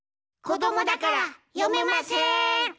こどもだからよめません。